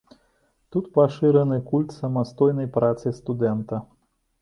Тут пашыраны культ самастойнай працы студэнта.